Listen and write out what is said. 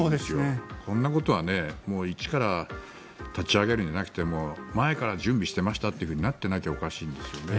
こんなことは一から立ち上げるんじゃなくて前から準備してましたとなっていなきゃおかしいんですよね。